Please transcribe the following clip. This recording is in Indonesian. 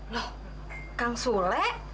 loh kang sule